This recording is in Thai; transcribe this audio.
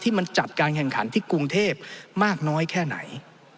มันจัดการแข่งขันที่กรุงเทพมากน้อยแค่ไหน